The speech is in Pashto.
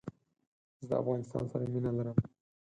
زه دافغانستان سره مينه لرم